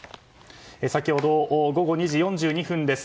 先ほど午後２時４２分です。